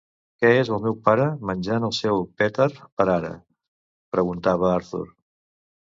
"Què és el meu pare menjant el seu Petar per ara?" preguntava Arthur.